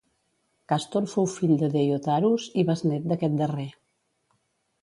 Càstor fou fill de Deiotarus, i besnet d'aquest darrer.